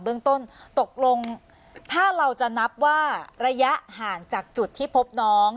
เรื่องต้นตกลงถ้าเราจะนับว่าระยะห่างจากจุดที่พบน้อง